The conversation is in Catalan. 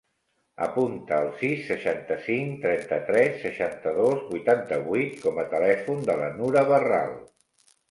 Apunta el sis, seixanta-cinc, trenta-tres, seixanta-dos, vuitanta-vuit com a telèfon de la Nura Berral.